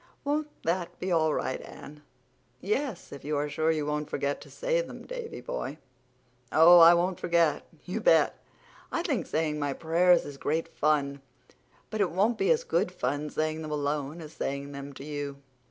Won't that be all right, Anne?" "Yes, if you are sure you won't forget to say them, Davy boy." "Oh, I won't forget, you bet. I think saying my prayers is great fun. But it won't be as good fun saying them alone as saying them to you.